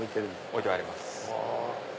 置いてあります。